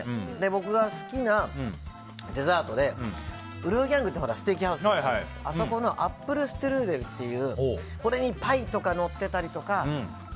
僕が好きなデザートでウルフギャングってステーキハウスがあるんですけどあそこのアップルシュトゥルーデルというこれにパイとかのってたりとか。